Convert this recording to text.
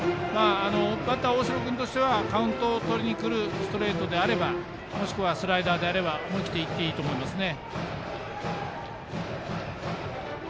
バッター大城君としてはカウントを取りにくるストレートであればもしくはスライダーであれば思い切っていっていいと思いますね。